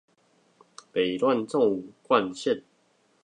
北段縱貫線